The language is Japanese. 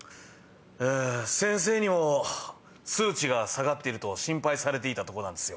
先生にも数値が下がっていると心配されていたとこなんですよ。